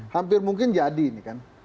hampir mungkin jadi ini kan